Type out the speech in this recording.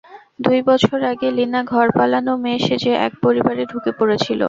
দুই বছর আগে, লীনা ঘর পালানো মেয়ে সেজে এক পরিবারে ঢুকে পড়েছিল।